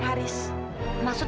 tetapi kamu muak jauh